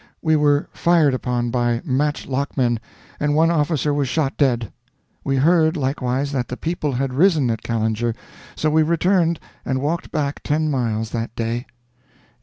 We were fired upon by match lockmen, and one officer was shot dead. We heard, likewise, that the people had risen at Callinger, so we returned and walked back ten miles that day.